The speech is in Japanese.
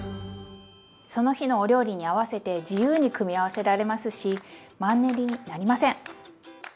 その日のお料理に合わせて自由に組み合わせられますしマンネリになりません！